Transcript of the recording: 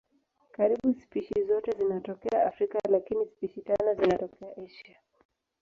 Karibu spishi zote zinatokea Afrika lakini spishi tano zinatokea Asia.